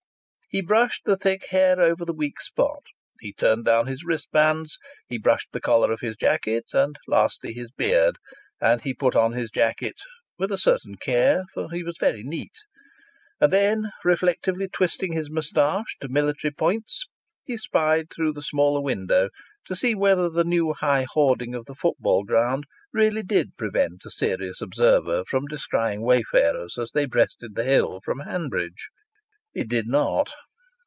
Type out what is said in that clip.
He brushed the thick hair over the weak spot, he turned down his wristbands, he brushed the collar of his jacket, and lastly, his beard; and he put on his jacket with a certain care, for he was very neat. And then, reflectively twisting his moustache to military points, he spied through the smaller window to see whether the new high hoarding of the football ground really did prevent a serious observer from descrying wayfarers as they breasted the hill from Hanbridge. It did not.